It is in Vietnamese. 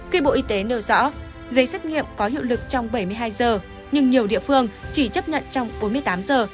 khi bộ y tế nêu rõ giấy xét nghiệm có hiệu lực trong bảy mươi hai giờ nhưng nhiều địa phương chỉ chấp nhận trong bốn mươi tám giờ